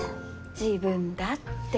自分だって。